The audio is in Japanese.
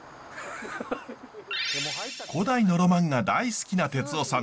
古代のロマンが大好きな哲夫さん。